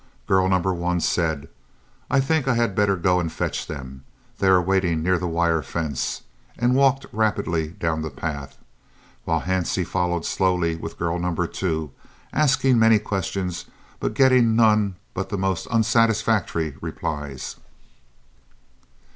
Girl No. 1 said, "I think I had better go and fetch them, they are waiting near the wire fence," and walked rapidly down the path, while Hansie followed slowly with girl No. 2, asking many questions, but getting none but the most unsatisfactory replies.